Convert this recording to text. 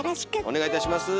お願いいたします。